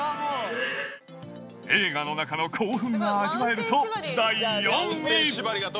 映画の中の興奮が味わえると第４位。